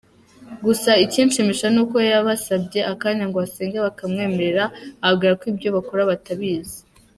Gusa ikinshimisha ni uko yabasabye akanya ngo asenge bakamwemerera, ababwira ko ibyo bakora batabizi.